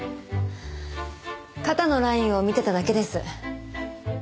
肩のラインを見てただけです。